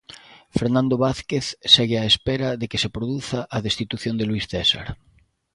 Fernando Vázquez segue á espera de que se produza a destitución de Luís César.